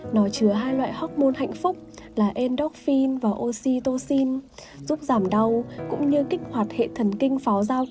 nó chứa hai loại hormôn hạnh phúc là endorphin và oxytocin giúp giảm đau cũng như kích hoạt hệ thần kinh